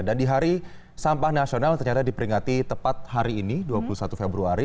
dan di hari sampah nasional ternyata diperingati tepat hari ini dua puluh satu februari